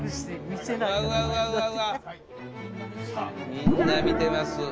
みんな見てます。